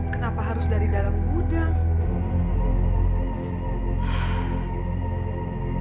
kenapa harus dari dalam gudang